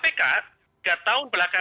file didak dua puluh kesran personil